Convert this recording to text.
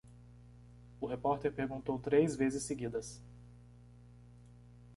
O repórter perguntou três vezes seguidas.